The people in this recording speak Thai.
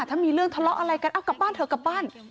ถ้ามีเรื่องทะเลาะอะไรกันเอากลับบ้านเถอะกลับบ้าน